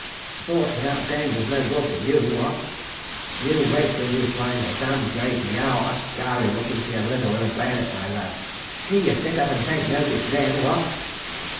Sport without danger's no good to you, what? You wait till you find a dam' great Yao askari looking for your liver with a bayonet, my lad. ... See you sit up and take notice then, what?